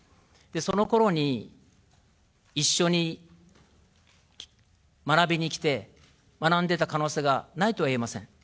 そのころに一緒に学びに来て、学んでた可能性はないとは言えません。